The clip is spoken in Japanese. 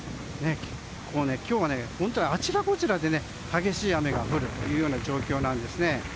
今日は本当にあちらこちらで激しい雨が降る状況です。